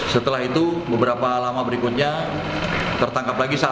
setelah itu beberapa lama berikutnya tertangkap lagi satu